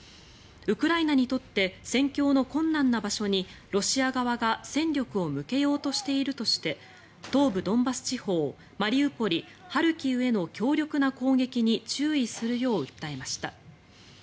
ウクライナにとって戦況の困難な場所にロシア側が戦力を向けようとしているとして東部ドンバス地方、マリウポリハルキウへの強力な攻撃に注意するよう訴えました。